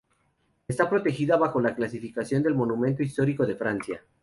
Está protegida bajo la clasificación de monumento histórico de Francia.